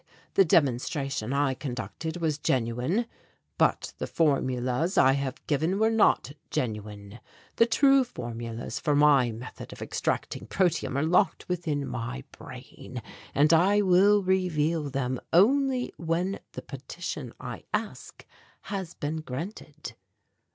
"The demonstration I conducted was genuine, but the formulas I have given were not genuine. The true formulas for my method of extracting protium are locked within my brain and I will reveal them only when the petition I ask has been granted."